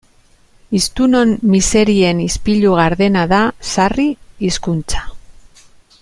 Hiztunon miserien ispilu gardena da sarri hizkuntza.